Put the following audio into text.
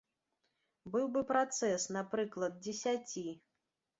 Быў бы працэс, напрыклад, дзесяці.